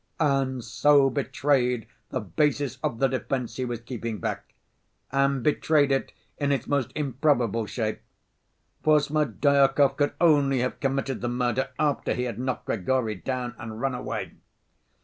and so betrayed the basis of the defense he was keeping back, and betrayed it in its most improbable shape, for Smerdyakov could only have committed the murder after he had knocked Grigory down and run away.